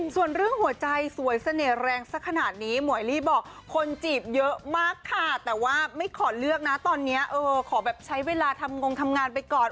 ส่วนเรื่องหัวใจสวยเสน่ห์แรงสักขนาดนี้หมวยลี่บอกคนจีบเยอะมากค่ะแต่ว่าไม่ขอเลือกนะตอนนี้ขอแบบใช้เวลาทำงงทำงานไปก่อน